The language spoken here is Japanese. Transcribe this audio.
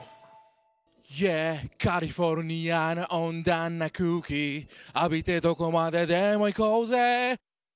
「Ｙｅａｈカリフォルニアの温暖な空気」「浴びてどこまででも行こうぜ」